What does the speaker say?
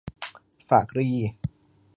ฝากรี